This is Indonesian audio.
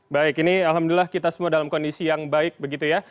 baik ini alhamdulillah kita semua dalam kondisi yang baik begitu ya